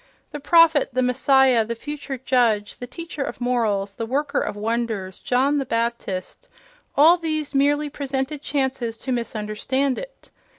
The prophet, the messiah, the future judge, the teacher of morals, the worker of wonders, John the Baptist—all these merely presented chances to misunderstand it....